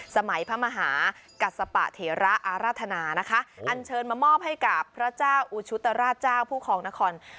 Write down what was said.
สมัยพระมหากัสปะเถระอาราธนานะคะอันเชิญมามอบให้กับพระเจ้าอุชุตราชเจ้าผู้ครองนคร